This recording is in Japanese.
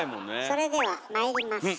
それではまいります。